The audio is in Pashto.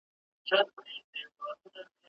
درسمونو نه بېزار وومه او يم